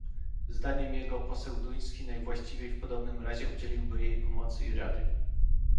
"Zdaniem jego poseł duński najwłaściwiej w podobnym razie udzieliłby jej pomocy i rady."